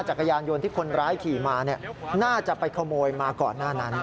จักรยานโยนที่คนร้ายขี่มาน่าจะไปขโมยมาก่อนาน